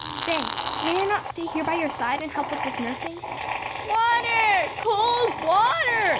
Say, may I not stay here by your side and help with this nursing?" "Water, cold water!"